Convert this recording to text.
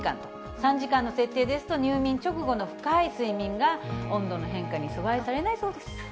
３時間の設定ですと、入眠直後の深い睡眠が温度の変化に阻害されないそうです。